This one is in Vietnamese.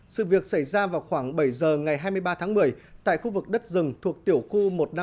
sự việc xảy ra vào khoảng bảy giờ ngày hai mươi ba tháng một mươi tại khu vực đất rừng thuộc tiểu khu một nghìn năm trăm ba mươi năm